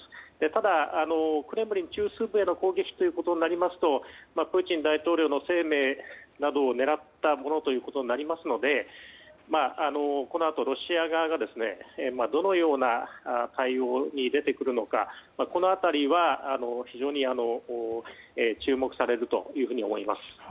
ただ、クレムリン中枢部への攻撃ということになりますとプーチン大統領の生命などを狙ったものということになりますのでこのあとロシア側がどのような対応に出てくるのか、この辺りは非常に注目されると思います。